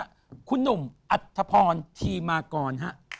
คนนี้เลยครับคุณหนุ่มอัธภัณฑ์ทีมาก่อน